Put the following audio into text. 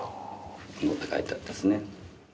「能」って書いてあるんですね。